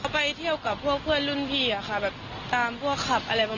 ไปเที่ยวกับพวกเพื่อนรุ่นพี่เขาตามพวกคับ